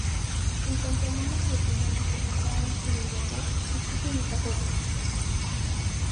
En cuanto al número de personas que viajaban en el vapor, existen desacuerdos.